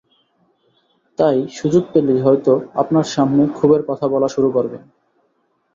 তাই সুযোগ পেলেই হয়তো আপনার সামনে ক্ষোভের কথা বলা শুরু করবেন।